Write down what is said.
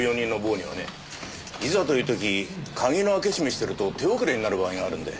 いざという時鍵の開き閉めしてると手遅れになる場合があるんで。